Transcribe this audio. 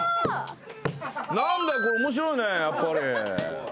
何だよこれ面白いねやっぱり。